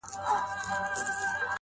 اوس به څوك تسليموي اصفهانونه؛